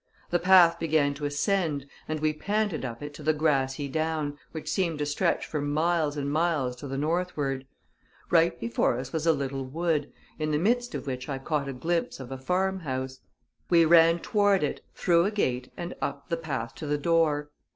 The path began to ascend, and we panted up it to the grassy down, which seemed to stretch for miles and miles to the northward. Right before us was a little wood, in the midst of which I caught a glimpse of a farmhouse. We ran toward it, through a gate, and up the path to the door.